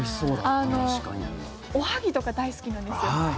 おはぎとか大好きなんですよ。